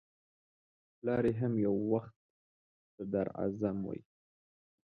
پلار یې هم یو وخت صدراعظم و.